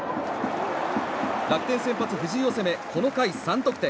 楽天先発、藤井を攻めこの回３得点。